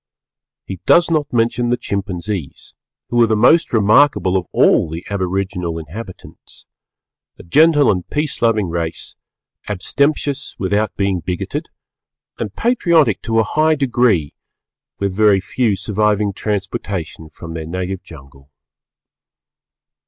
He does not mention the Chimpanzees, who are the most remarkable of all the aboriginal inhabitants, a gentle and peace loving race, abstemious without being bigoted, and patriotic to a high degree, very few surviving transportation from their native jungle.